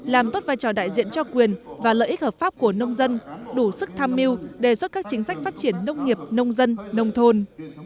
làm tốt vai trò đại diện cho quyền và lợi ích hợp pháp của nông dân đủ sức tham mưu đề xuất các chính sách phát triển nông nghiệp nông dân nông thôn